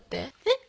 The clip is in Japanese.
えっ？